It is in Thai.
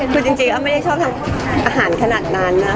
คือจริงอ้อมไม่ได้ชอบทำอาหารขนาดนั้นนะ